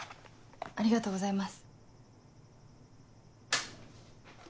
ありがとうございます。